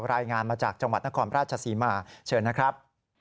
รายงานมาจากจังหวัดนครราชศรีมาเชิญนะครับ